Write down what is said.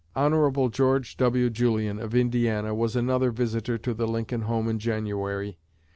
Hon. George W. Julian, of Indiana, was another visitor to the Lincoln home in January.